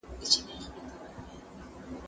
زه به سبا مځکي ته وګورم!!